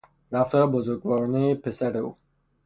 رفتار بزرگوارانهی پسر او